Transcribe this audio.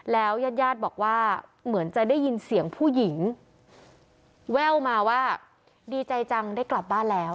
แล้วยาดบอกว่าเหมือนจะได้ยินเสียงผู้หญิงแว่วมาว่าดีใจจังได้กลับบ้านแล้ว